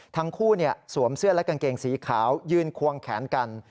สวมเสื้อและกางเกงสีขาวยืนควงแขนกัน